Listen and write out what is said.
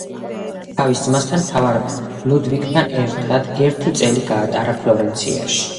თავის ძმასთან, მთავარ ლუდვიგთან ერთად ერთი წელი გაატარა ფლორენციაში.